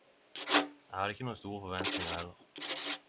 Eg hadde ikkje noko store forventningar heller.